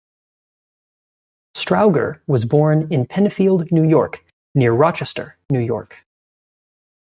Strowger was born in Penfield, New York, near Rochester, New York.